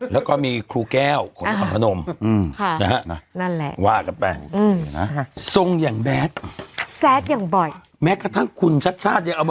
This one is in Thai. แล้วก็มีครูแก้วของละของพระนม